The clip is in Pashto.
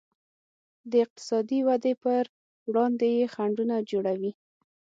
د اقتصادي ودې پر وړاندې یې خنډونه جوړوي.